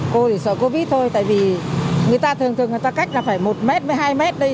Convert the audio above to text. cô thì sợ covid thôi tại vì người ta thường thường người ta cách là phải một mét với hai m đây